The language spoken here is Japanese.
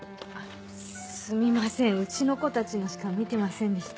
すみませんうちの子たちのしか見てませんでした。